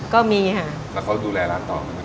ก็มีค่ะแล้วเขาดูแลร้านต่อไหม